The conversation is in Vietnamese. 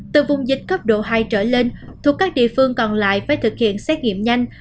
từ vùng dịch cấp độ hai trở lên thuộc các địa phương còn lại phải thực hiện xét nghiệm nhanh